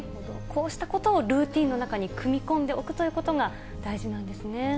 こうしたことをルーティンの中に組み込んでおくということが、大事なんですね。